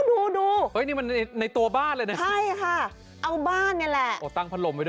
ดูดูเฮ้ยนี่มันในตัวบ้านเลยนะใช่ค่ะเอาบ้านนี่แหละโอ้ตั้งพัดลมไว้ด้วย